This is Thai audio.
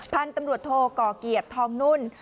พันธุ์ตำรวจโทรกรเกียจทองนุ่น